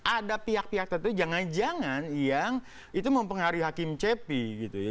ada pihak pihak tertentu jangan jangan yang itu mempengaruhi hakim cepi gitu ya